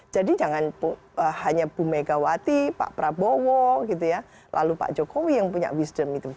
jadi jangan hanya bu megawati pak prabowo lalu pak jokowi yang punya wisdom